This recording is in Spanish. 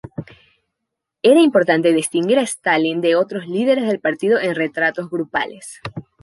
Era importante distinguir a Stalin de otros líderes del Partido en retratos grupales.